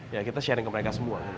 ya kita sharing ke mereka semua